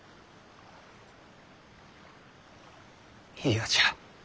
嫌じゃ。